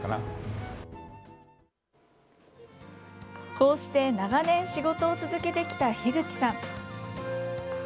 こうして長年、仕事を続けてきた樋口さん。